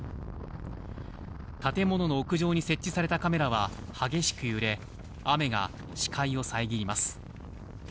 建物の屋上に設置されたカメラは、激しく揺れ、雨が視界を遮ります。